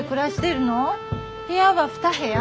部屋は２部屋？